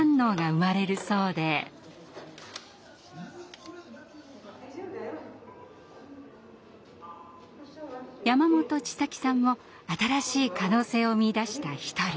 山本千咲さんも新しい可能性を見いだした一人。